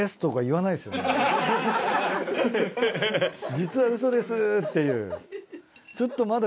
「実はウソです」っていう。